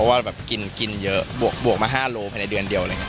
เพราะแบบกินเยอะบวกมา๕โลไปในเดือนเดียวเลย